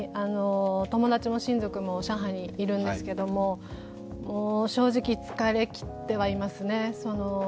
友達も親族も上海にいるんですけど正直疲れ切ってはいますね。